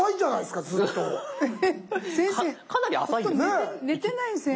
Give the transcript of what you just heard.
かなり浅いですね。